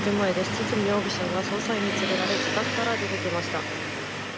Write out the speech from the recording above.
堤容疑者が捜査員に連れられ、自宅から出てきました。